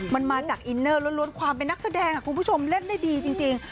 มันมาจากอินเนอร์ล้วนความเป็นนักแสดงคุณผู้ชมเล่นได้ดีจริง